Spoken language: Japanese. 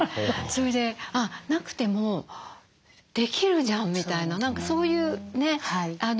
それで「あっなくてもできるじゃん」みたいな何かそういうね喜びとかうれしさもあるし。